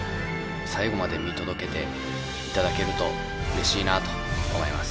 最後まで見届けていただけるとうれしいなと思います。